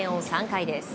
３回です。